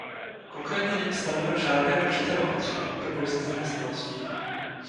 Konkrétně není stanoveno žádné určité opatření pro boj s nezaměstnaností.